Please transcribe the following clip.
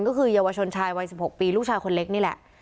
ก็คือเยาวชนชายวัย๑๖ปีลูกชายคนเล็กนี่แหละ